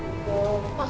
tidak ada apa apa